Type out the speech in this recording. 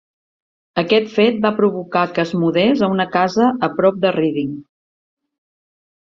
Aquest fet va provocar que es mudés a una casa a prop de Reading.